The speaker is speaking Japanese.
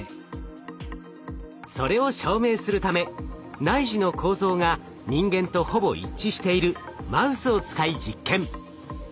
それを証明するため内耳の構造が人間とほぼ一致しているマウスを使い実験。